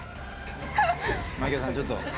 槙尾さんちょっと。